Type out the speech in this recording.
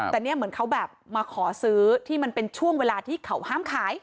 แต่เนี่ยเหมือนเขาแบบมาขอซื้อที่มันเป็นช่วงเวลาที่เขาห้ามขาย